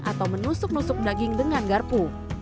atau menusuk nusuk daging dengan garpu